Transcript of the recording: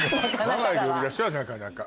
ハワイで呼び出しはなかなか。